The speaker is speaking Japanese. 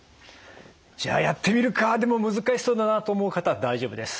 じゃあやってみるかでも難しそうだなと思う方大丈夫です。